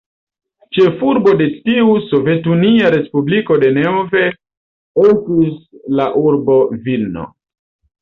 Ĉefurbo de tiu sovetunia respubliko denove estis la urbo Vilno.